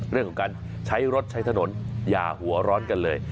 เรื่องของการใช้รถใช้ถนนอย่าหัวร้อนกันเลย